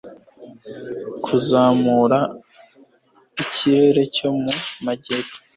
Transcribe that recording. Kuzamura ikirere cyo mu majyepfo